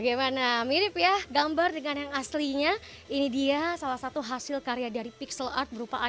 intinya orang biasanya atau krauk pake ini ke kurang